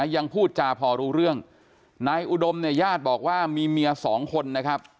ยังพูดจาพอรู้เรื่องนายอุดมเนี่ยญาติบอกว่ามีเมียสองคนนะครับ